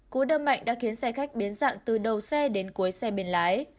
cú đâm mạnh đã khiến xe khách biến dạng từ đầu xe đến cuối xe bên lái